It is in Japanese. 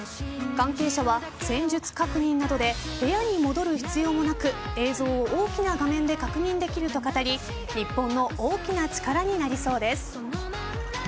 関係者は戦術確認などで部屋に戻る必要もなく映像を大きな画面で確認できると語り日本の大きな力になりそうです。